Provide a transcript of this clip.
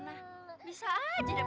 tadi dia bilang